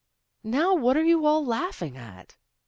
Now what are you all laughing at?"